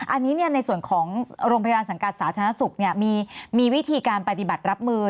อันนี้ในส่วนของโรงพยาบาลสังกัดสาธารณสุขมีวิธีการปฏิบัติรับมือ